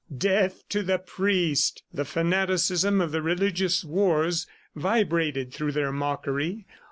"Death to the priest!" ... The fanaticism of the religious wars vibrated through their mockery.